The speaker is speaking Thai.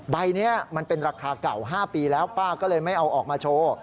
ใบนี้มันเป็นราคาเก่า๕ปีแล้วป้าก็เลยไม่เอาออกมาโชว์